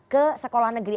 ke sekolah negeri